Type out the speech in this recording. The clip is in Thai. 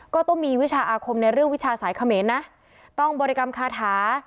ก็ต้องมีวิชาอาคมในเรื่องวิชาสายเขมรนะต้องบริกรรมคาถา